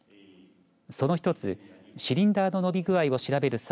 その１つシリンダーの伸び具合を調べる際